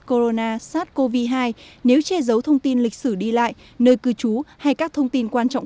corona sars cov hai nếu che giấu thông tin lịch sử đi lại nơi cư trú hay các thông tin quan trọng